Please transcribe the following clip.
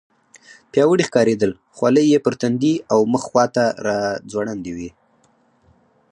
پیاوړي ښکارېدل، خولۍ یې پر تندي او مخ خواته راځوړندې وې.